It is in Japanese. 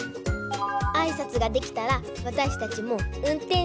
あいさつができたらわたしたちもうんてんしゅ